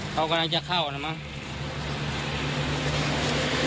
เค้ากำลังจะเข้านะมั้ง